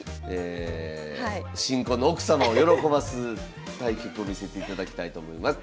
新婚の奥様を喜ばす対局を見せていただきたいと思います。